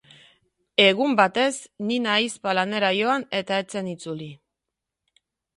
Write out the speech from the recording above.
Egun batez, Nina ahizpa lanera joan eta ez zen itzuli.